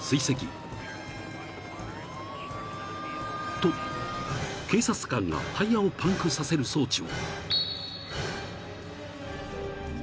［と警察官がタイヤをパンクさせる装置を］